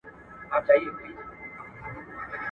تر هغه حده ولاړ پاتې شه چې ستا هدف تاته تسلیم شي.